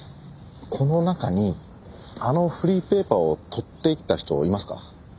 この中にあのフリーペーパーを取っていった人はいますか？